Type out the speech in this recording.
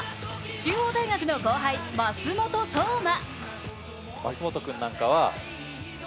中央大学の後輩・舛本颯真。